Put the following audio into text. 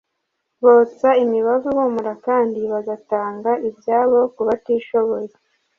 botsa imibavu ihumura kandi bagatanga ibyabo ku batishoboye